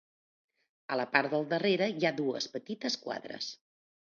A la part del darrere hi ha dues petites quadres.